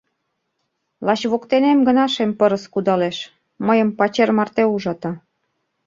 Лач воктенем гына шем пырыс кудалеш, мыйым пачер марте ужата.